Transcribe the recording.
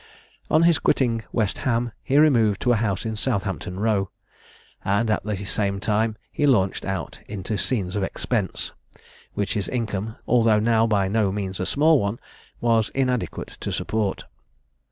On his quitting West Ham, he removed to a house in Southampton row; and at the same time he launched out into scenes of expense, which his income, although now by no means a small one, was inadequate to support.